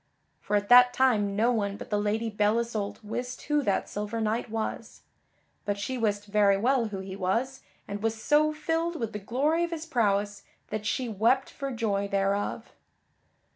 For at that time no one but the Lady Belle Isoult wist who that silver knight was. But she wist very well who he was, and was so filled with the glory of his prowess that she wept for joy thereof.